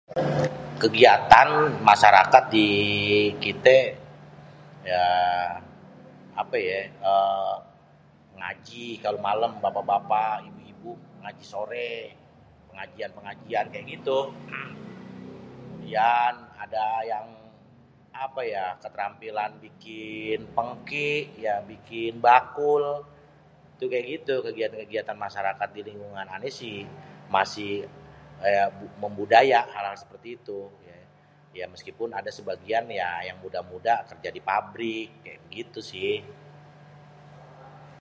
Kégiatan masyarakat di... kité ya apé yé uhm, ngaji kalo malém bapak-bapak, ibu-ibu ngaji soré, pengajian-pengajian kayak gitu. Kemudian ada yang apa ya, keterampilan bikin péngki ya, bikin bakul tuh, kayak gitu kégiatan-kégiatan masyarakat di lingkungan ané, sih. Masih kayak membudaya hal-hal seperti itu, yé. Ya meskipun ada sebagian ya yang muda-muda kerja di pabrik, kayak bégitu, sih.